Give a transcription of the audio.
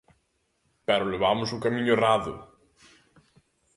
Pero levamos o camiño errado.